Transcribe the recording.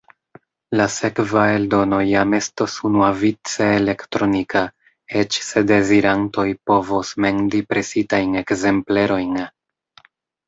La sekva eldono jam estos unuavice elektronika, eĉ se dezirantoj povos mendi presitajn ekzemplerojn.